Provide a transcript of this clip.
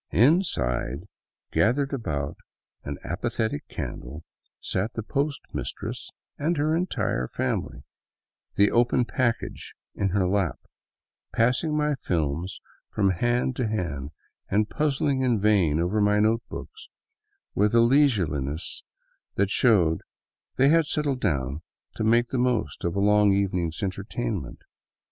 Inside, gathered about an apathetic candle, sat the post mistress and her entire family, the open package in her lap — passing my films from hand to hand and puzzling in vain over my notebooks, with a leisureliness that showed they had settled down to make the most of a long evening's entertainment.